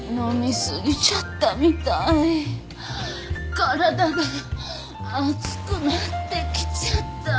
体が熱くなってきちゃった。